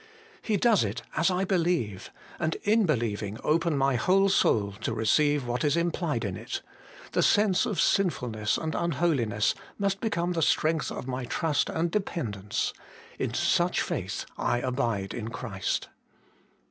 He does it as I believe, and in believing open my whole soul to receive what is implied in 196 HOLY IN CHRIST. it: the sense of sinfulness and unholiness must become the strength of my trust and dependence. In such faith I abide in Christ.